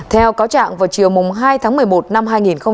theo cáo trạng vào chiều hai tháng một mươi một năm hai nghìn hai mươi một